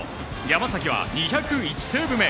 山崎は２０１セーブ目。